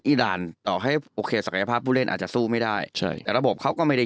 ด่านต่อให้โอเคศักยภาพผู้เล่นอาจจะสู้ไม่ได้ใช่แต่ระบบเขาก็ไม่ได้